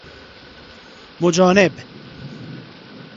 مجانبت